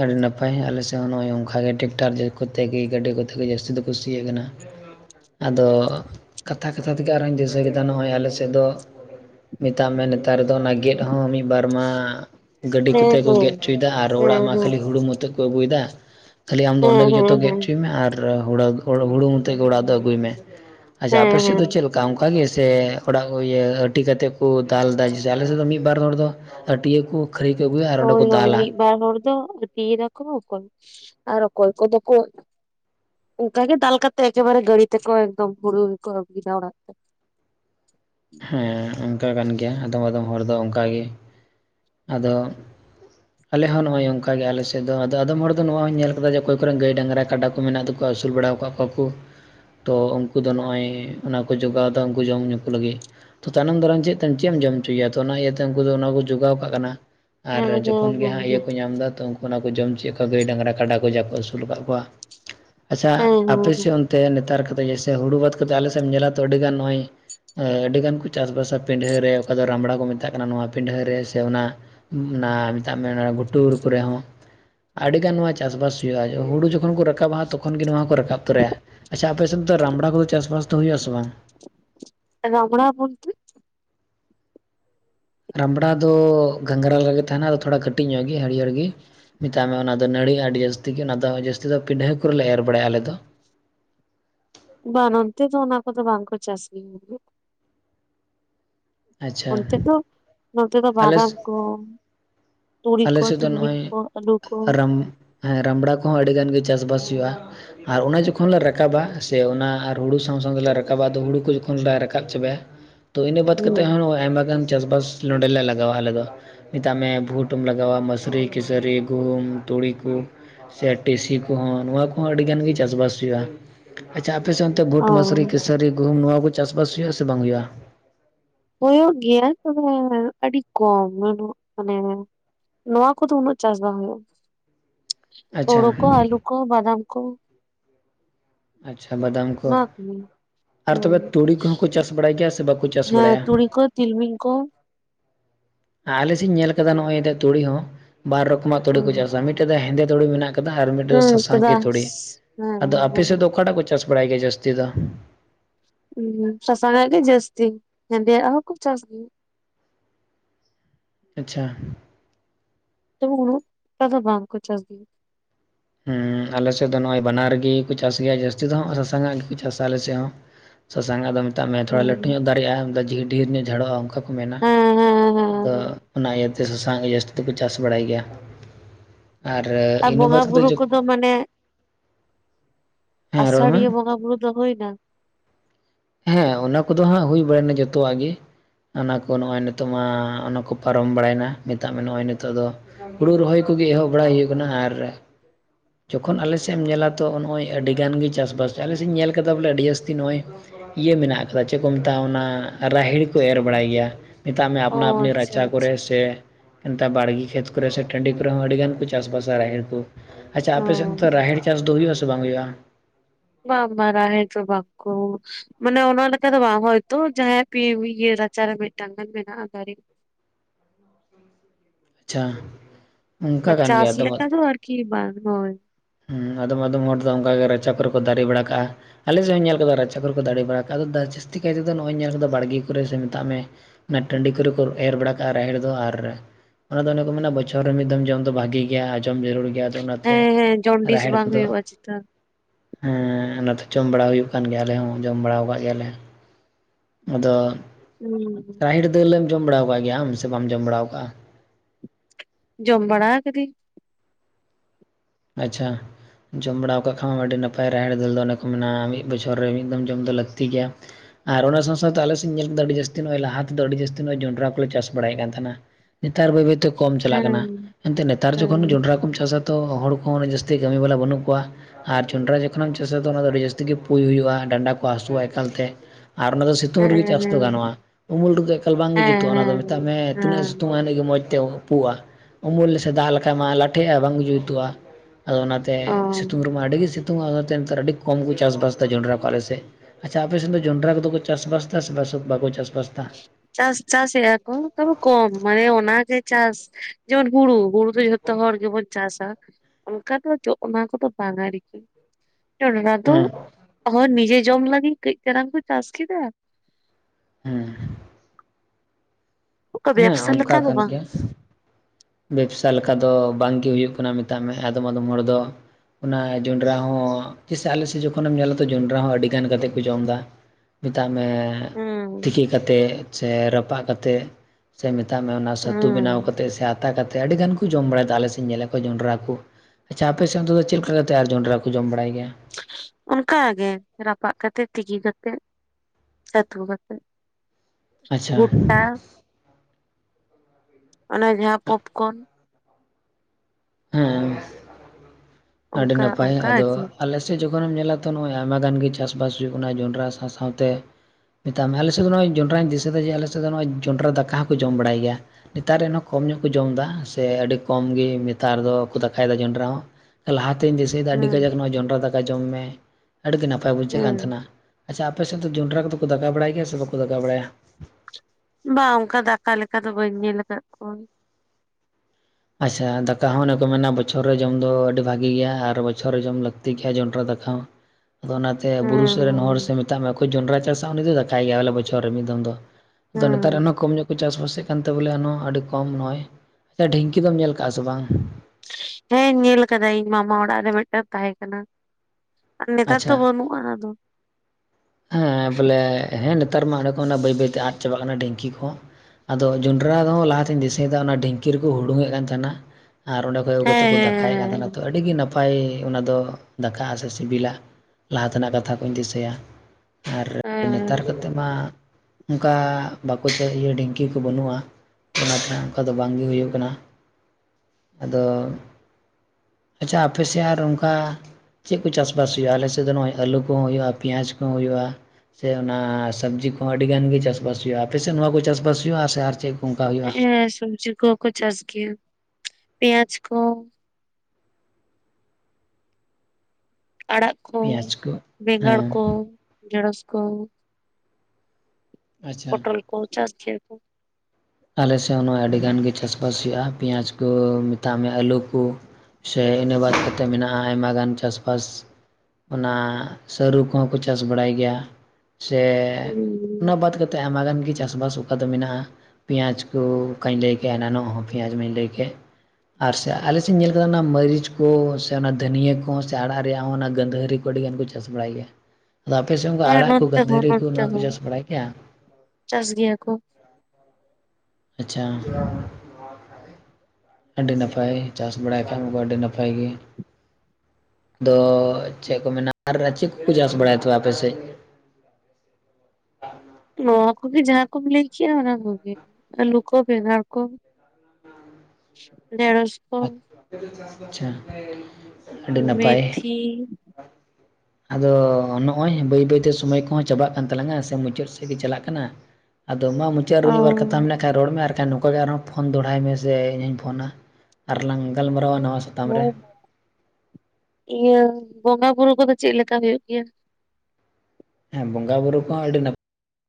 ᱟᱹᱰᱤ ᱱᱟᱯᱟᱭ ᱟᱞᱮ ᱥᱮᱫ ᱦᱚᱸ ᱱᱚᱜᱼᱚᱭ ᱚᱱᱠᱟᱜᱮ ᱴᱮᱠᱴᱟᱨ ᱠᱚᱛᱮ ᱜᱮ ᱜᱟᱹᱰᱤ ᱠᱚᱛᱮ ᱜᱮ ᱡᱟᱹᱥᱛᱤ ᱫᱚᱠᱩ ᱥᱤᱭᱮᱜ ᱠᱟᱱᱟ ᱾ [inaudible] ᱟᱫᱚ ᱠᱟᱛᱷᱟ ᱠᱟᱛᱷᱟ ᱛᱮᱜᱮ ᱟᱨ ᱦᱚᱧ ᱫᱤᱥᱟᱹ ᱠᱮᱫᱟ ᱱᱚᱜᱼᱚᱭ ᱟᱞᱮ ᱥᱮᱫ ᱫᱚ ᱢᱮᱛᱟᱜ ᱢᱮ ᱱᱮᱛᱟᱨ ᱫᱚ ᱚᱱᱟ ᱜᱮᱫ ᱦᱚᱸ ᱢᱤᱫ ᱵᱟᱨᱢᱟ ᱜᱟᱹᱰᱤ ᱦᱮᱸ ᱠᱚᱛᱮ ᱠᱚ ᱜᱮᱫ ᱦᱮᱸ ᱦᱚᱪᱚᱭᱮᱫᱟ ᱟᱨ ᱚᱲᱟᱜ ᱦᱮᱸ ᱦᱮᱸ ᱢᱟ ᱠᱷᱟᱹᱞᱤ ᱦᱩᱲᱩ ᱢᱚᱛᱚ ᱠᱚ ᱟᱹᱜᱩᱭᱮᱫᱟ᱾ ᱠᱷᱟᱹᱞᱤ ᱟᱢᱫᱚ ᱚᱸᱰᱮ ᱦᱮᱸ ᱜᱮ ᱡᱷᱚᱛᱚ ᱦᱮᱸ ᱦᱮᱸ ᱜᱮᱫ ᱦᱚᱪᱚᱭ ᱢᱮ ᱟᱨ ᱦᱩᱲᱟ ᱦᱩᱲᱩ ᱢᱚᱛᱮ ᱜᱮ ᱚᱲᱟᱜ ᱫᱚ ᱟᱹᱜᱩᱭ ᱢᱮ᱾ ᱟᱪᱪᱷᱟ ᱟᱯᱮ ᱦᱮᱸ ᱥᱮᱫ ᱦᱮᱸ ᱫᱚ ᱪᱮᱫ ᱞᱮᱠᱟ ᱚᱱᱠᱟ ᱜᱮ ᱥᱮ ᱾ ᱚᱲᱟᱜ ᱜᱚ ᱤᱭᱟᱹ ᱟᱹᱴᱤ ᱠᱟᱛᱮᱫ ᱠᱚ ᱫᱟᱞ ᱫᱟ ᱡᱮᱥᱮ ᱟᱞᱮᱥᱮᱫ ᱫᱚ ᱢᱤᱫ ᱵᱟᱨ ᱦᱚᱲ ᱫᱚ ᱟᱹᱴᱤᱭᱟ ᱠᱩ ᱠᱷᱟᱹᱞᱤ ᱠᱚ ᱟᱹᱜᱩᱭᱟ ᱾ ᱦᱳᱭ ᱦᱳᱭ ᱢᱤᱫ ᱵᱟᱨ ᱦᱚᱲ ᱫᱚ ᱟᱹᱴᱤᱭ ᱫᱟᱠᱚ ᱚᱠᱚᱭ ᱟᱨ ᱚᱠᱚᱭ ᱫᱚᱠᱚ ᱚᱱᱠᱟ ᱜᱮ ᱫᱟᱞ ᱠᱟᱛᱮ ᱮᱠᱮᱵᱟᱨᱮ ᱜᱟᱹᱲᱤ ᱛᱮᱠᱚ ᱮᱠᱫᱚᱢ ᱦᱩᱲᱩ ᱜᱮᱠᱚ ᱟᱜᱩ ᱤᱫᱟ ᱚᱲᱟᱜ ᱛᱮ᱾ ᱦᱮᱸᱻ ᱚᱱᱠᱟ ᱠᱟᱱ ᱜᱮᱭᱟ ᱟᱫᱚᱢ ᱟᱫᱚᱢ ᱦᱚᱲ ᱫᱚ ᱚᱱᱠᱟᱜᱮ ᱟᱫᱚ ᱟᱞᱮ ᱦᱚᱸ ᱱᱚᱜᱼᱚᱭ ᱚᱱᱠᱟ ᱜᱮ ᱟᱞᱮᱥᱮᱫ ᱫᱚ ᱟᱫᱚ ᱟᱫᱚᱢ ᱦᱚᱲ ᱫᱚ ᱱᱚᱭᱟ ᱦᱚᱸᱭ ᱧᱮᱞ ᱟᱠᱟᱫᱟ ᱚᱠᱚᱭ ᱚᱠᱚᱨᱮᱱ ᱜᱟᱹᱭ ᱰᱟᱝᱨᱟ ᱠᱟᱰᱟ ᱠᱚ ᱢᱮᱱᱟᱜ ᱛᱟ ᱠᱚᱭᱟ ᱟᱥᱩᱞ ᱵᱟᱲᱟᱣ ᱟᱠᱟᱫ ᱠᱚᱣᱟ ᱠᱚ, ᱛᱚ ᱩᱱᱠᱩ ᱫᱚ ᱱᱚᱜᱼᱚᱭ ᱚᱱᱟ ᱠᱚ ᱡᱚᱜᱟᱣᱮᱫᱟ ᱩᱱᱠᱩ ᱡᱚᱢ ᱧᱩ ᱠᱚ ᱞᱟᱹᱜᱤᱫ᱾ ᱛᱚ ᱛᱟᱭᱱᱚᱢ ᱫᱟᱨᱟᱢ ᱪᱮᱫ ᱛᱮᱢ ᱪᱮᱭᱼᱮᱢ ᱡᱚᱢ ᱦᱚᱪᱚᱭᱮᱭᱟ ᱛᱚ ᱚᱱᱟ ᱤᱭᱟᱹᱛᱮ ᱩᱱᱠᱩ ᱫᱚ ᱚᱱᱟ ᱠᱚ ᱡᱚᱜᱟᱣ ᱠᱟᱜ ᱠᱟᱱᱟ᱾ ᱟᱨ ᱦᱮᱸ ᱦᱮᱸ ᱡᱚᱠᱷᱚᱱ ᱜᱮ ᱦᱮᱸ ᱦᱟᱸᱜ ᱤᱭᱟᱹ ᱦᱮᱸ ᱠᱚ ᱧᱟᱢ ᱫᱟ ᱛᱚ ᱩᱱᱠᱩ ᱚᱱᱟ ᱠᱚ ᱡᱚᱢ ᱦᱚᱪᱚᱭᱮᱫ ᱠᱚᱣᱟ ᱜᱟᱹᱭ, ᱰᱟᱝᱨᱟ, ᱠᱟᱰᱟ ᱠᱚ ᱡᱟ ᱠᱚ ᱟᱹᱥᱩᱞ ᱟᱠᱟᱫ ᱠᱚᱣᱟ᱾ ᱟᱪᱪᱷᱟ ᱦᱮᱸ ᱟᱯᱮ ᱥᱮᱫ ᱦᱮᱸ ᱚᱱ ᱛᱮ ᱱᱮᱛᱟᱨ ᱠᱟᱛᱮ ᱡᱮᱭᱥᱮ ᱦᱩᱲᱩ ᱵᱟᱫ ᱠᱟᱛᱮ ᱟᱞᱮ ᱥᱮᱫ ᱮᱢ ᱧᱮᱞᱟ ᱛᱚ ᱟᱹᱰᱤ ᱜᱟᱱ ᱱᱚᱜᱼᱚᱭ ᱟᱻ ᱟᱹᱰᱤ ᱜᱟᱱ ᱠᱚ ᱪᱟᱥᱵᱟᱥᱟ ᱯᱤᱰᱷᱟᱹ ᱨᱮ ᱚᱠᱟ ᱫᱚ ᱨᱟᱢᱲᱟ ᱠᱚ ᱢᱮᱛᱟᱜ ᱠᱟᱱᱟ ᱱᱚᱣᱟ ᱯᱤᱰᱷᱟᱹ ᱨᱮ ᱥᱮ ᱚᱱᱟ ᱚᱱᱟ ᱢᱮᱛᱟᱜ ᱢᱮ ᱚᱱᱟ ᱜᱷᱩᱴᱩᱨ ᱠᱚᱨᱮ ᱦᱚᱸ ᱟᱹᱰᱤᱜᱟᱱ ᱱᱚᱣᱟ ᱪᱟᱥᱵᱟᱥ ᱦᱩᱭᱩᱜᱼᱟ ᱦᱩᱲᱩ ᱡᱚᱠᱷᱚᱱ ᱠᱚ ᱨᱟᱠᱟᱵᱟ ᱦᱟᱸᱜ ᱛᱚᱠᱷᱚᱱ ᱜᱮ ᱱᱚᱣᱟ ᱦᱚᱸ ᱠᱚ ᱨᱟᱠᱟᱵ ᱛᱚᱨᱟᱭᱟ᱾ ᱟᱪᱪᱷᱟ ᱟᱯᱮᱥᱮᱫ ᱫᱚ ᱨᱟᱢᱲᱟ ᱠᱚᱫᱚ ᱪᱟᱥᱵᱟᱥ ᱫᱚ ᱦᱩᱭᱩᱜᱼᱟ ᱥᱮ ᱵᱟᱝ? ᱨᱟᱢᱲᱟ ᱵᱚᱞᱛᱮ ᱨᱟᱢᱲᱟ ᱫᱚ ᱜᱷᱟᱝᱜᱨᱟ ᱞᱮᱠᱟ ᱜᱮ ᱛᱟᱦᱮᱱᱟ ᱟᱫᱚ ᱛᱷᱚᱲᱟ ᱠᱟᱹᱴᱤᱡ ᱧᱚᱜ ᱜᱮ ᱦᱟᱹᱨᱭᱟᱹᱲ ᱜᱮ᱾ ᱢᱮᱛᱟᱜ ᱢᱮ ᱚᱱᱟ ᱫᱚ ᱱᱟᱹᱲᱤᱜᱼᱟ ᱟᱹᱰᱤ ᱡᱟᱹᱥᱛᱤ ᱜᱮ ᱚᱱᱟ ᱫᱚ ᱡᱟᱹᱥᱛᱤ ᱫᱚ ᱯᱤᱰᱷᱟᱹ ᱠᱚᱨᱮᱞᱮ ᱮᱨ ᱵᱟᱲᱟᱭᱟ ᱟᱞᱮ ᱫᱚ᱾ ᱵᱟᱝ ᱱᱚᱱᱛᱮ ᱫᱚ ᱚᱱᱟ ᱠᱚᱫᱚ ᱵᱟᱝᱠᱚ ᱪᱟᱥ ᱜᱮᱭᱟ ᱩᱱᱟᱹᱜ ᱟᱪᱪᱷᱟ ᱚᱱᱛᱮ ᱫᱚ, ᱱᱚᱛᱮ ᱫᱚ ᱟᱞᱮ ᱵᱟᱫᱟᱢ ᱠᱚ ᱛᱩᱲᱤ ᱟᱞᱮ ᱠᱚ, ᱥᱮᱫ ᱫᱚ ᱛᱤᱞᱼᱢᱤᱧ ᱱᱚᱜᱼᱚᱭ ᱠᱚ, ᱟᱞᱩ ᱠᱚ ᱨᱟᱢ ᱦᱮᱸ ᱨᱟᱢᱲᱟ ᱠᱚᱦᱚᱸ ᱟᱹᱰᱤ ᱜᱟᱱ ᱜᱮ ᱪᱟᱥᱵᱟᱥ ᱦᱩᱭᱩᱜᱼᱟ᱾ ᱟᱨ ᱚᱱᱟ ᱡᱚᱠᱷᱚᱱ ᱞᱮ ᱨᱟᱠᱟᱵᱟ ᱥᱮ ᱚᱱᱟ ᱦᱩᱲᱩ ᱥᱟᱶ ᱥᱟᱶ ᱛᱮᱞᱮ ᱨᱟᱠᱟᱵᱟ ᱟᱫᱚ ᱦᱩᱲᱩ ᱠᱚ ᱡᱚᱠᱷᱚᱱᱞ ᱞᱮ ᱨᱟᱠᱟᱵ ᱪᱟᱵᱟᱭᱟ [inaudible] ᱛᱚ ᱤᱱᱟᱹ ᱵᱟᱫᱽ ᱦᱩᱸ ᱠᱟᱛᱮᱫ ᱦᱚᱸ ᱟᱭᱢᱟ ᱜᱟᱱ ᱪᱟᱥᱵᱟᱥ ᱱᱚᱸᱰᱮᱞᱮ ᱞᱟᱜᱟᱣᱟ ᱟᱞᱮ ᱫᱚ ᱢᱮᱛᱟᱜ ᱢᱮ ᱵᱷᱩᱴ ᱴᱮᱢ ᱞᱟᱜᱟᱣᱟ, ᱢᱟᱥᱨᱤ, ᱠᱮᱥᱟᱹᱨᱤ, ᱜᱩᱦᱩᱢ, ᱛᱩᱲᱤ ᱠᱩ ᱥᱮ ᱴᱮᱥᱤ ᱠᱚᱦᱚᱸ ᱱᱚᱣᱟ ᱠᱚᱦᱚᱸ ᱟᱹᱰᱤᱜᱟᱱ ᱜᱮ ᱪᱟᱥᱵᱟᱥ ᱦᱩᱭᱩᱜᱼᱟ᱾ ᱟᱪᱪᱷᱟ ᱟᱯᱮᱥᱮᱫ ᱚᱱᱛᱮ ᱜᱷᱩᱴ, ᱚ ᱢᱟᱥᱩᱹᱨᱤ, ᱠᱟᱥᱟᱹᱨᱤ, ᱜᱩᱦᱩᱢ ᱱᱚᱣᱟ ᱠᱚ ᱪᱟᱥᱵᱟᱥ ᱦᱩᱭᱩᱜᱼᱟ ᱥᱮ ᱵᱟᱝ ᱦᱩᱭᱩᱜᱼᱟ? ᱦᱳᱭᱳᱜ ᱜᱮᱭᱟ ᱛᱚᱵᱮᱻ ᱟᱹᱰᱤ ᱠᱚᱢᱟ ᱵᱟᱱᱩᱜ ᱢᱟᱱᱮ ᱱᱚᱣᱟ ᱠᱚᱫᱚ ᱩᱱᱟᱹᱜ ᱪᱟᱥ ᱵᱟᱝ ᱦᱳᱭᱳᱜ ᱟᱪᱪᱷᱟ ᱦᱳᱲᱳ ᱠᱚ, ᱟᱞᱩ ᱠᱚ, ᱵᱟᱫᱟᱢ ᱠᱚ᱾ ᱟᱪᱪᱷᱟ ᱵᱟᱫᱟᱢ ᱠᱚ ᱱᱚᱣᱟ ᱠᱚᱜᱮ ᱟᱨ ᱛᱚᱵᱮ ᱦᱮᱸ ᱛᱩᱲᱤ ᱠᱚᱦᱚᱸ ᱠᱚ ᱪᱟᱥ ᱵᱟᱲᱟᱭ ᱜᱮᱭᱟ ᱥᱮ ᱵᱟᱠᱚ ᱪᱟᱥ ᱦᱮᱸ ᱵᱟᱲᱟᱭᱟ? ᱛᱩᱲᱤ ᱠᱚ ᱛᱤᱞᱢᱤᱧ ᱠᱚ ᱟᱞᱮᱥᱮᱫ ᱤᱧ ᱧᱮᱞ ᱟᱠᱟᱫᱟ ᱱᱚᱜ-ᱚᱭ ᱮᱱᱛᱮ ᱛᱩᱲᱤ ᱦᱚᱸ ᱵᱟᱨ ᱨᱚᱠᱚᱢᱟᱜ ᱛᱩᱲᱤ ᱠᱚ ᱦᱮᱸ ᱪᱟᱥᱟ ᱢᱤᱫᱴᱮᱡ ᱫᱚ ᱦᱮᱸᱫᱮ ᱛᱩᱲᱤ ᱢᱮᱱᱟᱜ ᱠᱟᱫᱟ ᱟᱨ ᱢᱤᱫᱴᱟᱝ ᱫᱚ ᱥᱟᱥᱟᱝ ᱫᱟᱫᱟ ᱜᱮ ᱛᱷᱩᱲᱤ ᱦᱮᱸ ᱟᱫᱚ ᱟᱯᱮ ᱥᱮᱫ ᱫᱚ ᱚᱠᱟᱴᱟᱜ ᱠᱚ ᱪᱟᱥ ᱵᱟᱲᱟᱭ ᱜᱮᱭᱟ ᱡᱟᱹᱥᱛᱤ ᱫᱚ? ᱦᱩᱸ ᱦᱩᱸ ᱥᱟᱥᱟᱝᱼᱟᱜ ᱜᱮ ᱡᱟᱹᱥᱛᱤ ᱦᱮᱸᱫᱮ ᱭᱟᱜ ᱦᱚᱸ ᱠᱚ ᱪᱟᱹᱥ ᱜᱮᱭᱟ᱾ ᱟᱪᱪᱷᱟ᱾ ᱛᱟᱣ ᱦᱩᱲᱩ ᱠᱚᱫᱚ ᱵᱟᱝ ᱠᱚ ᱪᱟᱥ ᱜᱮᱭᱟ᱾ ᱦᱮᱸ ᱟᱞᱮ ᱥᱮᱫ ᱫᱚ ᱱᱚᱜ-ᱚᱭ ᱵᱟᱱᱟᱨ ᱜᱮᱠᱚ ᱪᱟᱥ ᱜᱮᱭᱟ ᱡᱟᱹᱥᱛᱤ ᱫᱚ ᱦᱟᱸᱜ ᱥᱟᱥᱟᱝᱟᱜ ᱜᱮᱠᱚ ᱪᱟᱹᱥᱟ ᱟᱞᱮ ᱥᱮᱫ ᱦᱚᱸ᱾ ᱥᱟᱥᱟᱝᱟᱜ ᱢᱮᱛᱟᱜ ᱢᱮ ᱦᱮᱸ ᱛᱷᱚᱲᱟ ᱞᱟᱹᱴᱩ ᱧᱚᱜ ᱫᱟᱨᱮᱜᱼᱟ [unintelligible] ᱜᱷᱮᱨ ᱧᱚᱜ ᱡᱷᱟᱲᱚᱜᱼᱟ ᱠᱟ ᱠᱚ ᱢᱮᱱᱟ ᱦᱮᱸ ᱦᱮᱸ ᱦᱮᱸ ᱟᱫᱚ ᱚᱱᱟ ᱤᱭᱟᱹ ᱛᱮ ᱥᱟᱥᱟ ᱥᱟᱝ ᱜᱮ ᱡᱟᱹᱥᱛᱤ ᱫᱚᱠᱚ ᱪᱟᱥ ᱵᱟᱲᱟᱭ ᱜᱮᱭᱟ ᱟᱨ ᱟᱨ ᱤᱱᱟᱹ ᱵᱚᱸᱜᱟ ᱵᱟᱫᱽ ᱵᱩᱨᱩ ᱠᱟᱛᱮᱫ ᱠᱚᱫᱚ ᱢᱟᱱᱮ, ᱦᱮᱸ ᱨᱚᱲ ᱟᱥᱟᱲᱤᱭᱟᱹ ᱢᱮ ᱵᱚᱸᱜᱟ ᱵᱩᱨᱩ ᱫᱚ ᱦᱩᱭ ᱮᱱᱟ? ᱦᱮᱸ ᱚᱱᱟ ᱠᱚᱫᱚ ᱦᱟᱸᱜ ᱦᱩᱭ ᱵᱟᱲᱟᱭ ᱱᱟ ᱡᱚᱛᱚᱣᱟᱜ ᱜᱮ᱾ ᱟᱱᱟ ᱠᱚ ᱱᱚᱜ-ᱚᱭ ᱱᱤᱛᱚᱜ ᱢᱟ ᱚᱱᱟ ᱠᱚ ᱯᱟᱨᱚᱢ ᱵᱟᱲᱟᱭ ᱱᱟ ᱢᱮᱛᱟᱜ ᱢᱮ ᱱᱚᱜ-ᱚᱭ ᱱᱤᱛᱚᱜ ᱫᱚᱼᱼ ᱦᱩᱲᱩ ᱨᱚᱦᱚᱭ ᱠᱚᱜᱮ ᱮᱦᱚᱵ ᱵᱟᱲᱟᱭ ᱦᱩᱭᱩᱜ ᱠᱟᱱᱟ ᱟᱨ ᱡᱚᱠᱷᱚᱱ ᱟᱞᱮ ᱥᱮᱫ ᱮᱢ ᱧᱮᱞᱟ ᱛᱚ ᱱᱚᱜ-ᱚᱭ ᱟᱹᱰᱤ ᱜᱟᱱ ᱜᱮ ᱪᱟᱥᱵᱟᱥ ᱟᱞᱮ ᱥᱮᱡ‌ ᱤᱧ ᱧᱮᱞ ᱠᱟᱫᱟ ᱵᱚᱞᱮ ᱟᱹᱰᱤ ᱡᱟᱹᱥᱛᱤ ᱱᱚᱜ-ᱚᱭ ᱤᱭᱟᱹ ᱢᱮᱱᱟᱜ ᱟᱠᱟᱫᱟ ᱪᱮᱫ ᱠᱚ ᱢᱮᱛᱟᱜ-ᱟ ᱚᱱᱟ ᱨᱟᱦᱤᱲ ᱠᱩ ᱮᱨ ᱵᱟᱲᱟᱭ ᱜᱮᱭᱟ᱾ ᱢᱮᱛᱟᱜ ᱢᱮ ᱚ ᱟᱯᱱᱟ ᱟᱯᱱᱤ ᱟᱪᱪᱷᱟ ᱨᱟᱪᱟ ᱟᱪᱪᱷᱟ ᱠᱚᱨᱮᱜ ᱥᱮ [unintelligible] ᱵᱟᱲᱜᱮ ᱠᱷᱮᱛ ᱠᱚᱨᱮ ᱥᱮ ᱴᱟᱺᱰᱤ ᱠᱚᱨᱮ ᱦᱚᱸ ᱟᱹᱰᱤ ᱜᱟᱱ ᱠᱚ ᱪᱟᱥ ᱵᱟᱥᱟ ᱨᱟᱦᱮᱲ ᱠᱚ, ᱟᱪᱪᱷᱟ ᱚ ᱟᱯᱮ ᱥᱮᱱ ᱛᱚ ᱨᱟᱦᱮᱲ ᱪᱟᱥ ᱫᱚ ᱦᱩᱭᱩᱜ-ᱟ ᱥᱮ ᱵᱟᱝ ᱦᱩᱭᱩᱜ-ᱟ? ᱵᱟᱝ ᱵᱟ ᱨᱟᱦᱮᱲ ᱫᱚ ᱵᱟᱠᱚ ᱢᱟᱱᱮ ᱚᱱᱟ ᱞᱮᱠᱟ ᱫᱚ ᱵᱟᱝ ᱦᱚᱭᱛᱚ ᱡᱟᱦᱟᱸ ᱯᱤ ᱤᱭᱟᱹ ᱨᱟᱪᱟ ᱨᱮ ᱢᱮᱫᱴᱟᱝ ᱜᱟᱱ ᱢᱮᱱᱟᱜ-ᱟ ᱫᱟᱨᱮ᱾ ᱟᱪᱪᱷᱟ ᱚᱱᱠᱟ ᱠᱟᱱ ᱜᱮᱭᱟ ᱟᱫᱚ ᱠᱤ ᱵᱟᱝ ᱦᱳᱭ᱾ ᱦᱩᱸ ᱟᱫᱚᱢ ᱟᱫᱚᱢ ᱦᱚᱲ ᱫᱚ ᱚᱱᱠᱟ ᱜᱮ ᱨᱟᱪᱟ ᱠᱚᱨᱮ ᱠᱚ ᱫᱟᱨ ᱵᱟᱲᱟ ᱠᱟᱜ-ᱟ᱾ ᱟᱞᱮ ᱥᱮᱜ ᱦᱩᱧ ᱧᱮᱞ ᱠᱟᱫᱟ ᱨᱟᱪᱟ ᱠᱚᱨᱮ ᱠᱚ ᱫᱟᱲᱮ ᱵᱟᱲᱟ ᱠᱟᱜ-ᱟ, ᱟᱫᱚ ᱫᱟ ᱡᱟᱹᱥᱛᱤ ᱠᱟᱭ ᱛᱮᱫᱚ ᱱᱚᱜ-ᱚᱭᱤᱧ ᱧᱮᱞ ᱠᱟᱫᱟ ᱵᱟᱲᱜᱤᱮ ᱠᱚᱨᱮ ᱥᱮ ᱢᱮᱛᱟᱜ ᱢᱮ ᱚᱱᱟ ᱴᱟᱺᱰᱤ ᱠᱚᱨᱮ ᱠᱚ ᱮᱨ ᱵᱟᱲᱟ ᱠᱟᱜ-ᱟ ᱨᱟᱦᱮᱲ ᱫᱚ ᱟᱨ ᱚᱱᱟ ᱫᱚ ᱚᱱᱮ ᱠᱚ ᱢᱮᱱᱟ ᱵᱚᱪᱷᱚᱨ ᱨᱮ ᱢᱤᱫ ᱫᱚᱢ ᱡᱚᱢ ᱫᱚ ᱵᱷᱟᱜᱮ ᱜᱮᱭᱟ ᱡᱚᱢ ᱡᱟᱹᱨᱩᱲ ᱜᱮᱭᱟ ᱟᱫᱚ ᱚᱱᱟ ᱛᱮ ᱦᱮᱸ ᱦᱮᱸ ᱡᱚᱱᱰᱤᱥ ᱨᱟᱦᱮᱲ ᱵᱟᱝ ᱠᱚᱫᱚ ᱦᱩᱭᱩᱜᱼᱟ ᱪᱮᱛᱟ ᱦᱮᱸ ᱚᱱᱟᱛᱮ ᱡᱚᱢ ᱵᱟᱲᱟ ᱦᱩᱭᱩᱜ ᱠᱟᱱ ᱜᱮᱭᱟ ᱟᱞᱮ ᱦᱚᱸ ᱡᱚᱢ ᱵᱟᱲᱟᱣ ᱠᱟᱜ ᱜᱮᱭᱟ ᱞᱮ᱾ ᱟᱫᱚ ᱩᱸ ᱩᱸ᱾ ᱨᱟᱦᱤᱲ ᱫᱟᱹᱞ ᱮᱢ ᱡᱚᱢ ᱵᱟᱲᱟᱣ ᱠᱟᱜ ᱜᱮᱭᱟ ᱟᱢ ᱥᱮ ᱵᱟᱢ ᱡᱚᱢ ᱵᱟᱲᱟᱣ ᱠᱟᱜ-ᱟ? ᱡᱚᱢ ᱵᱟᱲᱟ ᱟᱠᱟᱫᱟᱹᱧ᱾ ᱟᱪᱪᱷᱟ᱾ ᱡᱚᱢ ᱵᱟᱲᱟᱣ ᱠᱟᱜ ᱠᱷᱟᱱᱮᱢ ᱟᱹᱰᱤ ᱱᱟᱯᱟᱭ ᱨᱟᱦᱮᱲ ᱫᱟᱹᱞ ᱫᱚ ᱚᱱᱮ ᱠᱚ ᱢᱮᱱᱟ ᱢᱤᱫ ᱵᱚᱪᱷᱚᱨ ᱨᱮ ᱢᱤᱫ ᱫᱚᱢ ᱡᱚᱢ ᱫᱚ ᱞᱟᱹᱠᱛᱤ ᱜᱮᱭᱟ᱾ ᱟᱨ ᱚᱱᱟ ᱥᱟᱶ ᱥᱟᱶ ᱛᱮ ᱟᱞᱮ ᱥᱮᱫ ᱤᱧ ᱧᱮᱞ ᱠᱮᱫᱟ ᱟᱹᱰᱤ ᱡᱟᱹᱥᱛᱤ ᱱᱚᱜ-ᱚᱭ ᱞᱟᱦᱟ ᱛᱮᱫᱚ ᱟᱹᱰᱤ ᱡᱟᱹᱥᱛᱤ ᱱᱚᱜ-ᱚᱭ ᱡᱚᱱᱰᱨᱟ ᱠᱚ ᱞᱮ ᱪᱟᱥ ᱵᱟᱲᱟᱭᱮᱜ ᱠᱟᱱ ᱛᱟᱦᱮᱱᱟ᱾ ᱱᱮᱛᱟᱨ ᱵᱟᱹᱭ ᱵᱟᱹᱭ ᱛᱮ ᱠᱚᱢ ᱪᱟᱞᱟᱜ ᱠᱟᱱᱟ, ᱦᱮᱸ ᱮᱱᱛᱮᱫ ᱱᱮᱛᱟᱨ ᱡᱚᱠᱷᱚᱱ ᱦᱮᱸ ᱡᱚᱱᱰᱨᱟ ᱠᱚᱢ ᱪᱟᱥᱟ ᱛᱚ ᱦᱚᱲ ᱦᱚᱸ ᱩᱱᱟᱹᱜ ᱡᱟᱹᱥᱛᱤ ᱠᱟᱹᱢᱤ ᱵᱟᱞᱟ ᱵᱟᱹᱱᱩᱜ ᱠᱚᱣᱟ᱾ ᱟᱨ ᱡᱚᱱᱰᱨᱟ ᱡᱚᱠᱷᱚᱱᱮᱢ ᱪᱟᱥᱟ ᱛᱚ ᱚᱱᱟ ᱫᱚ ᱟᱹᱰᱤ ᱡᱟᱹᱥᱛᱤ ᱜᱮ ᱯᱩᱭ ᱦᱩᱭᱩᱜ-ᱟ ᱰᱟᱸᱰᱟ ᱠᱚ ᱦᱟᱥᱩᱣᱟ ᱮᱠᱟᱞ ᱛᱮ᱾ ᱟᱨ ᱚᱱᱟ ᱫᱚ ᱥᱤᱛᱩᱝ ᱦᱮᱸ ᱨᱮᱜᱮ ᱦᱮᱸ ᱪᱟᱥ ᱫᱚ ᱜᱟᱱᱚᱜ-ᱟ᱾ ᱩᱢᱩᱞ ᱫᱚᱠᱚ ᱮᱠᱟᱞ ᱵᱟᱝ ᱜᱮ ᱡᱩᱛᱩᱜ-ᱟ ᱦᱮᱸ ᱚᱱᱟ ᱫᱚ ᱢᱮᱛᱟᱜ ᱦᱮᱸ ᱢᱮ ᱛᱤᱱᱟᱹᱜ-ᱮ ᱦᱮᱸ ᱥᱤᱛᱩᱝᱟ ᱤᱱᱟᱹᱜ ᱜᱮ ᱢᱚᱡᱽ ᱛᱮ ᱩ ᱯᱩᱜ-ᱟ᱾ ᱩᱢᱩᱞ ᱥᱮ ᱫᱟᱜ ᱞᱮᱠᱷᱟᱡ ᱢᱟ ᱞᱟᱴᱷᱮᱜ-ᱟ ᱵᱟᱝ ᱡᱩᱛᱩᱜ-ᱟ᱾ ᱟᱫᱚ ᱚᱱᱟ ᱛᱮ ᱚ ᱥᱤᱛᱩᱝ ᱨᱮᱢᱟ ᱟᱹᱰᱤ ᱜᱮ ᱥᱤᱛᱩᱝᱟ ᱚᱱᱟ ᱛᱮ ᱱᱮᱛᱟᱨ ᱟᱹᱰᱤ ᱠᱚᱢ ᱠᱚ ᱪᱟᱥᱵᱟᱥ ᱫᱟ ᱡᱚᱱᱰᱨᱟ ᱠᱚ ᱟᱞᱮ ᱥᱮᱫ᱾ ᱟᱪᱪᱷᱟ ᱟᱯᱮ ᱥᱮᱱ ᱫᱚ ᱡᱚᱱᱰᱨᱟ ᱠᱚᱫᱚ ᱠᱚ ᱪᱟᱥᱵᱟᱥ ᱫᱟ ᱥᱮ ᱵᱟᱥᱚ ᱵᱟᱠᱚ ᱪᱟᱥᱵᱟᱥ ᱮᱫᱟ? ᱪᱟᱥ ᱪᱟᱥ ᱮᱫ-ᱟ ᱠᱚ ᱛᱚᱵᱮ ᱠᱚᱢ ᱢᱟᱱᱮ ᱚᱱᱟ ᱜᱮ ᱪᱟᱥ ᱡᱮᱢᱚᱱ ᱦᱩᱲᱩ ᱦᱩᱲᱩ [inaudible] ᱡᱷᱚᱛᱚ ᱦᱚᱲ ᱜᱮᱵᱚᱱ ᱪᱟᱥᱟ ᱚᱱᱠᱟ ᱫᱚ ‌ᱡᱚ ᱚᱱᱟ ᱠᱚᱫᱚ ᱵᱟᱝᱟ ᱟᱲᱤ ᱡᱱᱚᱰᱨᱟ ᱫᱚ ᱦᱮᱸ ‌ᱦᱚᱭ ᱱᱤᱡᱮ ᱡᱚᱢ ᱞᱟᱹᱜᱤᱫ ᱠᱟᱹᱡ ᱪᱟᱨᱟᱝ ᱠᱚ ᱪᱟᱥ ᱠᱮᱫᱟ, ᱦᱩᱸ᱾ ᱚᱠᱟ ᱵᱮᱵᱽᱥᱟ ᱚᱱᱠᱟ ᱞᱮᱠᱟ ᱫᱚ ᱠᱟᱱ ᱵᱟᱝ᱾ ᱜᱮᱭᱟ ᱵᱮᱵᱽᱥᱟ ᱞᱮᱠᱟ ᱫᱚ ᱵᱟᱝ ᱜᱮ ᱦᱩᱭᱩᱜ ᱠᱟᱱᱟ ᱢᱮᱛᱟᱜ ᱢᱮ ᱟᱫᱚᱢ ᱟᱫᱚᱢ ᱦᱚᱲ ᱫᱚ ᱚᱱᱟ ᱡᱚᱸᱰᱨᱟ ᱦᱚᱸ ᱛᱤ ᱥᱮ ᱟᱞᱮ ‌ᱥᱮᱜ ᱡᱚᱠᱷᱚᱱᱮᱢ ᱧᱮᱞᱟ ᱛᱚ ᱡᱚᱱᱰᱨᱟ ᱦᱚᱸ ᱟᱹᱰᱤ ᱜᱟᱱ ᱠᱟᱛᱮᱜ ᱠᱚ ᱡᱚᱢ ᱫᱟ᱾ ᱢᱮᱛᱟᱜ ᱢᱮ ᱛᱤᱠᱤ ᱦᱩᱸ ᱠᱟᱛᱮᱜ ᱥᱮ ᱨᱟᱯᱟᱜ ᱠᱟᱛᱮᱜ᱾ ᱥᱮ ᱢᱮᱛᱟᱜ ᱢᱮ ᱚᱱᱟ ᱥᱟᱹᱛᱩ ᱵᱮᱱᱟᱣ ᱦᱩᱸ ᱠᱟᱛᱮᱜ ᱥᱮ ᱟᱛᱟ ᱠᱟᱛᱮᱜ ᱟᱹᱰᱤ ᱜᱟᱱ ᱩᱚ ᱡᱚᱢ ᱵᱟᱲᱟᱭ ᱫᱟ ᱟᱞᱮ ᱥᱮᱜ ᱧᱮᱞᱮᱜ ᱠᱚ ᱡᱚᱸᱰᱨᱟ ᱠᱩ᱾ ᱟᱪᱪᱷᱟ ᱟᱯᱮ ᱥᱮᱱ ᱚᱱᱛᱮ ᱫᱚ ᱪᱮᱫ ᱞᱮᱠᱟ ᱠᱟᱛᱮᱜ ᱟᱨ ᱡᱚᱸᱰᱨᱟ ᱠᱩ ᱡᱚᱢ ᱵᱟᱲᱟᱭ ᱜᱮᱭᱟ? ᱚᱱᱠᱟ ᱜᱮ ᱨᱟᱯᱟᱜ ᱠᱟᱛᱮᱜ ᱛᱤᱠᱤ ᱠᱟᱛᱮᱜ ᱥᱟᱛᱩ ᱠᱟᱛᱮᱜ᱾ ᱟᱪᱪᱷᱟ ᱵᱷᱩᱴᱟ᱾ ᱚᱱᱟ ᱡᱟᱦᱟᱸ ᱯᱚᱵᱠᱚᱱ᱾ ᱦᱩᱸ ᱟᱹᱰᱤ ᱚᱱᱠᱟ ᱱᱟᱯᱟᱭ ᱚᱱᱠᱟ ᱟᱫᱚ᱾ ᱟᱨᱠᱤ ᱟᱞᱮᱥᱮᱫ ᱡᱚᱠᱷᱚᱱᱮᱢ ᱧᱮᱞᱟ ᱛᱚ ᱱᱚᱜᱼᱚᱭ ᱟᱭᱢᱟ ᱜᱟᱱ ᱜᱮ ᱪᱟᱥᱵᱟᱥ ᱦᱩᱭᱩᱜ ᱠᱟᱱᱟ ᱡᱚᱱᱰᱨᱟ ᱥᱟᱶ ᱥᱟᱶᱛᱮ᱾ ᱢᱮᱛᱟᱢ ᱢᱮ ᱟᱞᱮ ᱥᱮᱫ ᱫᱚ ᱱᱚᱜ ᱡᱚᱸᱰᱨᱟᱧ ᱫᱤᱥᱟᱹᱫᱟ ᱡᱮ ᱟᱞᱮ ᱥᱮᱫ ᱫᱚ ᱱᱚᱜᱚᱭ ᱡᱚᱸᱰᱨᱟ ᱫᱟᱠᱟ ᱦᱚᱸᱠᱚ ᱡᱚᱢ ᱵᱟᱲᱟᱭ ᱜᱮᱭᱟ᱾ ᱱᱮᱛᱟᱨ ᱨᱮᱱ ᱦᱚᱸ ᱠᱚᱢ ᱧᱚᱜ ᱠᱚ ᱡᱚᱢ ᱮᱫᱟ ᱥᱮ ᱟᱹᱰᱤ ᱠᱚᱢ ᱜᱮ ᱢᱮ᱾ ᱱᱮᱛᱟᱨ ᱫᱚᱠᱚ ᱫᱟᱠᱟᱭᱮᱫᱟ ᱡᱚᱸᱰᱨᱟ ᱦᱚᱸ ᱞᱟᱦᱟᱛᱤᱧ ᱫᱤᱥᱟᱹᱭᱮᱫᱟ ᱟᱹᱰᱤ ᱠᱟᱡᱟᱠ ᱦᱩᱸ ᱡᱚᱸᱰᱨᱟ ᱫᱟᱠᱟ ᱡᱚᱢ ᱢᱮ᱾ ᱟᱹᱰᱤᱜ ᱱᱟᱯᱟᱭ ᱵᱩᱡᱷᱟᱹᱜ ᱠᱟᱱ ᱦᱩᱸ ᱛᱟᱦᱮᱱᱟ ᱟᱪᱷᱟ ᱟᱯᱮ ᱥᱮᱫ ᱫᱚ ᱡᱚᱸᱰᱨᱟ ᱠᱚᱫᱚ ᱠᱚ ᱫᱟᱠᱟ ᱵᱟᱲᱟᱭ ᱜᱮᱭᱟ ᱥᱮ ᱵᱟᱠᱚ ᱫᱟᱠᱟ ᱵᱟᱲᱟᱭᱟ? ᱵᱟᱝ ᱚᱱᱠᱟ ᱫᱟᱠᱟ ᱞᱮᱠᱟ ᱫᱚ ᱵᱟᱹᱧ ᱧᱮᱞ ᱟᱠᱟᱫ ᱠᱚᱣᱟ᱾ ᱟᱪᱪᱷᱟ ᱫᱟᱠᱟ ᱦᱚᱸ ᱚᱱᱮ ᱠᱚ ᱢᱮᱱᱟ ᱵᱚᱪᱷᱚᱨ ᱨᱮ ᱡᱚᱢ ᱫᱚ ᱟᱹᱰᱤ ᱵᱷᱟᱜᱤ ᱜᱮᱭᱟ ᱟᱨ ᱵᱚᱪᱷᱚᱨ ᱨᱮ ᱡᱚᱢ ᱞᱟᱹᱠᱛᱤ ᱜᱮᱭᱟ ᱡᱚᱱᱰᱨᱟ ᱫᱟᱠᱟ ᱦᱚᱸ᱾ ᱟᱫᱚ ᱚᱱᱟᱛᱮ ᱵᱩᱨᱩ ᱥᱮᱫ ᱨᱮᱱ ᱦᱚᱲ ᱥᱮ ᱦᱩᱸ ᱢᱮᱛᱟᱜ ᱢᱮ ᱚᱠᱚᱭ ᱡᱚᱱᱰᱨᱟ ᱪᱟᱥᱟ ᱩᱱᱤ ᱫᱚ ᱫᱟᱠᱟᱭ ᱜᱮᱭᱟ ᱟᱞᱮ ᱵᱚᱪᱷᱚᱨ ᱨᱮ ᱢᱤᱫ ᱫᱷᱟᱹᱣ ᱫᱚ᱾ ᱟᱫᱚ ᱱᱮᱛᱟᱨ ᱦᱩᱸ ᱠᱚᱢ ᱧᱚᱜ ᱠᱚ ᱪᱟᱥᱵᱟᱥᱮᱫ ᱠᱟᱱᱛᱮ ᱵᱚᱞᱮ ᱱᱚᱣᱟ ᱟᱹᱰᱤ ᱠᱚᱢ ᱱᱚᱜᱼᱚᱭ ᱰᱷᱤᱝᱠᱤ᱾ ᱠᱤ ᱫᱚᱢ ᱧᱮᱞ ᱠᱟᱜᱼᱟ ᱥᱮ ᱵᱟᱝ? ᱦᱮᱸ ᱧᱮᱞ ᱟᱠᱟᱫᱟ ᱤᱧ ᱢᱟᱢᱟ ᱚᱲᱟᱜ ᱨᱮ ᱢᱤᱫᱴᱮᱱ ᱛᱟᱦᱮᱸ ᱠᱟᱱᱟ᱾ ᱟᱨ ᱱᱮᱛᱟᱨ ᱫᱚ ᱟᱪᱪᱷᱟ ᱵᱟᱹᱱᱩᱜᱼᱟ ᱟᱫᱚ᱾ ᱦᱮᱸ ᱵᱚᱞᱮ ᱦᱮᱸ ᱱᱮᱛᱟᱨ ᱢᱟ ᱚᱱᱰᱮ ᱠᱚ ᱵᱟᱹᱭ ᱵᱟᱹᱭᱛᱮ ᱟᱫ ᱪᱟᱵᱟᱜ ᱠᱟᱱᱟ ᱰᱮᱝᱠᱤ ᱠᱚ᱾ ᱟᱫᱚ ᱡᱚᱸᱰᱨᱟ ᱫᱚ ᱞᱟᱦᱟᱛᱤᱧ ᱫᱤᱥᱟᱹᱭᱮᱫᱟ ᱚᱱᱟ ᱰᱷᱤᱝᱠᱤ ᱨᱮᱠᱚ ᱦᱩᱰᱩᱝ ᱮᱫ ᱠᱟᱱ ᱛᱟᱦᱮᱱᱟ᱾ ᱟᱨ ᱚᱸᱰᱮ ᱠᱷᱚᱡ ᱟᱹᱜᱩ ᱦᱮᱸ ᱠᱟᱛᱮᱫ ᱠᱚ ᱫᱟᱠᱟᱭᱮᱫ ᱠᱟᱱ ᱛᱟᱦᱮᱱᱟ ᱛᱚ ᱦᱮᱸ ᱟᱹᱰᱤ ᱜᱮ ᱱᱟᱯ᱾ ᱱᱟᱯᱟᱭ ᱚᱱᱟ ᱫᱚ ᱫᱟᱠᱟᱜᱼᱟ ᱥᱮ ᱥᱤᱵᱤᱞᱟ ᱞᱟᱦᱟ ᱛᱮᱱᱟᱜ ᱠᱟᱛᱷᱟ ᱠᱚᱧ ᱫᱤᱥᱟᱹᱭᱟ᱾ ᱟᱨ ᱦᱮᱸ ᱱᱮᱛᱟᱨ ᱠᱟᱛᱮᱫ ᱢᱟ ᱚᱝᱠᱟ ᱵᱟᱠᱚ ᱰᱷᱤᱝᱠᱤ ᱠᱚ ᱵᱟᱹᱱᱩᱜᱼᱟ᱾ ᱚᱱᱠᱟ ᱫᱚ ᱵᱟᱝᱜᱮ ᱦᱩᱭᱩᱜ ᱠᱟᱱᱟ ᱟᱫᱚ᱾ ᱟᱪᱷᱟ ᱟᱯᱮᱥᱮᱫ ᱟᱨ ᱚᱱᱠᱟ᱾ ᱪᱮᱫ ᱠᱚ ᱪᱟᱥᱼᱵᱟᱥ ᱦᱩᱭᱩᱜᱼᱟ ᱟᱞᱮᱥᱮᱫ ᱫᱚ ᱱᱚᱜᱼᱚᱭ ᱟᱹᱞᱩ ᱠᱚᱦᱚᱸ ᱦᱩᱭᱩᱜᱼᱟ ᱯᱮᱸᱭᱟᱡᱽ ᱠᱚᱦᱚᱸ ᱦᱩᱭᱩᱜᱼᱟ᱾ ᱥᱮ ᱚᱱᱟ ᱥᱟᱵᱽᱡᱤ ᱠᱚᱦᱚᱸ ᱟᱹᱰᱤ ᱜᱟᱱ ᱜᱮ ᱪᱟᱥᱵᱟᱥ ᱦᱩᱭᱩᱜᱼᱟ ᱟᱯᱮᱥᱮᱫ ᱱᱚᱣᱟ ᱠᱚ ᱪᱟᱥᱵᱟᱥ ᱦᱩᱭᱩᱜᱼᱟ ᱥᱮ ᱟᱨ ᱪᱮᱫ? ᱠᱚ ᱚᱱᱠᱟ ᱦᱩᱭᱩᱜᱼᱟ ᱦᱮᱸᱜ ᱮ ᱥᱚᱵᱡᱤ ᱠᱚᱦᱠᱚ ᱪᱟᱥ ᱜᱮᱭᱟ ᱯᱮᱭᱟᱡ ᱠᱚ᱾ ᱟᱲᱟᱜ ᱠᱚ, ᱯᱮᱸᱭᱟᱡᱽ ᱠᱚ ᱵᱮᱸᱜᱟᱲ ᱦᱮᱸ ᱠᱚ, ᱰᱷᱮᱲᱚᱥ ᱠᱚ᱾ ᱟᱪᱪᱷᱟ ᱯᱚᱴᱚᱞ ᱠᱚ ᱪᱟᱥ ᱜᱮᱭᱟ ᱠᱚ᱾ ᱟᱞᱮᱥᱮᱫ ᱦᱚᱸ ᱟᱹᱰᱤ ᱜᱟᱱ ᱜᱮ ᱪᱟᱥᱵᱥ ᱦᱩᱭᱩᱜᱼᱟ ᱯᱮᱸᱭᱟᱡᱽ ᱠᱚ, ᱢᱮᱛᱟᱜ ᱢᱮ ᱟᱹᱞᱩ ᱠᱚ᱾ ᱥᱮ ᱤᱱᱟᱹ ᱵᱟᱫ ᱠᱟᱛᱮᱫ ᱢᱮᱱᱟᱜᱼᱟ ᱟᱭᱢᱟ ᱜᱟᱱ ᱪᱟᱥ ᱵᱟᱥ᱾ ᱚᱱᱟ ᱥᱟᱹᱨᱩ ᱠᱚᱦᱚᱸ ᱠᱚ ᱪᱟᱥ ᱵᱟᱲᱟᱭ ᱜᱮᱭᱟ᱾ ᱥᱮ ᱚᱱᱟ ᱦᱩᱸ ᱵᱟᱫ ᱠᱟᱛᱮᱫ ᱟᱭᱢᱟ ᱜᱟᱱ ᱜᱮ ᱪᱟᱥᱵᱟᱥ ᱚᱠᱟ ᱫᱚ ᱢᱮᱱᱟᱜᱼᱟ᱾ ᱯᱤᱭᱟᱡᱽ ᱠᱚ ᱚᱠᱟᱹᱧ ᱞᱟᱹᱭ ᱠᱮᱜ-ᱟ ᱮᱱᱟᱱᱚᱜ ᱦᱚᱸ ᱯᱤᱭᱟᱡ ᱢᱟᱧ ᱞᱟᱹᱭ ᱠᱮᱫ᱾ ᱟᱨ ᱥᱮ ᱟᱞᱮ ᱥᱮᱫ ᱤᱧ ᱧᱮᱞ ᱟᱠᱟᱫᱟ ᱚᱱᱟ ᱢᱟᱹᱨᱤᱪ ᱠᱚ ᱥᱮ ᱚᱱᱟ ᱫᱷᱩᱱᱤᱭᱟᱹ ᱠᱚ ᱥᱮ ᱟᱲᱟᱜ ᱨᱮᱭᱟᱜ ᱦᱚᱸ ᱚᱱᱟ ᱜᱟᱹᱫᱷᱟᱹᱨᱤ ᱠᱚ ᱟᱹᱰᱤ ᱜᱟᱱ ᱠᱩ᱾ ᱪᱟᱥ ᱵᱟᱲᱟᱭ ᱜᱮᱭᱟ᱾ [inaudible] ᱟᱫᱚ ᱟᱯᱮ ᱥᱮᱫ ᱠᱩ ᱦᱮᱸ ᱟᱲᱟᱜ ᱠᱚ ᱱᱚᱱᱛᱮ ᱦᱚᱸ ᱜᱟᱹᱫᱷᱟᱹᱨᱤ ᱠᱚ ᱱᱚᱱᱛᱮ ᱱᱚᱣᱟ ᱠᱚ ᱦᱚᱸ ᱪᱟᱥ ᱵᱟᱲᱟᱭ ᱜᱮᱭᱟ? ᱪᱟᱥ ᱜᱮᱭᱟ ᱠᱚ᱾ ᱟᱪᱷᱟ᱾ ᱟᱹᱰᱤ ᱱᱟᱯᱟᱭ ᱪᱟᱥ ᱵᱟᱲᱟᱭ ᱠᱷᱟᱱ ᱠᱚ ᱟᱹᱰᱤ ᱱᱟᱯᱟᱭ ᱜᱮ᱾ ᱟᱫᱚ ᱪᱮᱫ ᱠᱚ ᱢᱮᱱᱟ ᱟᱨ ᱪᱮᱫ ᱠᱚᱠᱚ ᱪᱟᱥ ᱵᱟᱲᱟᱭᱟ ᱛᱚᱵᱮ ᱟᱯᱮᱥᱮᱡ? ᱱᱚᱣᱟ ᱠᱚᱜᱮ ᱡᱟᱦᱟᱸ ᱠᱚᱢ ᱞᱟᱹᱭ ᱠᱮᱜᱼᱟ ᱚᱱᱟ ᱠᱚᱜᱮ ᱟᱞᱩ ᱠᱚ, ᱵᱮᱜᱟᱲ ᱠᱚ ᱾ ᱰᱷᱮᱲᱚᱥ ᱟᱪ-ᱪᱷᱟ ᱟᱹᱰᱤ ᱱᱟᱯᱟᱭ ᱾ ᱢᱮᱛᱷᱤ [unintelligible] ᱟᱫᱚ ᱱᱚᱜᱼᱚᱭ ᱵᱟᱹᱭ ᱵᱟᱹᱭᱛᱮ ᱥᱚᱢᱚᱭ ᱠᱚᱦᱚᱸ ᱪᱟᱵᱟᱜ ᱠᱟᱱ ᱛᱟᱞᱟᱝᱟ ᱥᱮ ᱢᱩᱪᱟᱹᱫ ᱥᱮᱫ ᱜᱮ ᱪᱟᱞᱟᱜ ᱠᱟᱱᱟ ᱟᱫᱚ ᱢᱟ ᱢᱩᱪᱟᱹᱫ ᱨᱮ ᱢᱤᱫ ᱵᱟᱨ ᱠᱟᱛᱷᱟ ᱚ ᱢᱮᱱᱟᱜ ᱠᱷᱟᱱᱡ ᱨᱚᱲ ᱢᱮ ᱟᱨ ᱠᱷᱟᱱ ᱱᱚᱝᱠᱟ ᱜᱮ ᱟᱨᱦᱚᱸ ᱯᱷᱳᱱ ᱫᱚᱲᱦᱟᱭ ᱢᱮ ᱥᱮ ᱤᱧ ᱦᱚᱸᱧ ᱯᱷᱳᱱᱟ ᱾ ᱟᱨ ᱞᱟᱝ ᱜᱟᱞᱢᱟᱨᱟᱣᱟ ᱱᱟᱣᱟ [unintelligible] ᱦᱮᱸ ᱤᱭᱟᱹ ᱵᱚᱸᱜᱟ ᱵᱩᱨᱩ ᱠᱚᱫᱚ ᱪᱮᱫ ᱞᱮᱠᱟ ᱦᱩᱭᱩᱜ ᱜᱮᱭᱟ? ᱦᱮᱸ ᱵᱚᱸᱜᱟ ᱵᱩᱨᱩ ᱠᱚᱦᱚᱸ ᱟᱹᱰᱤ ᱱᱟᱯ